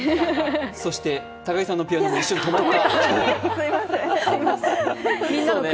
そして高木さんのピアノが一瞬、止まった。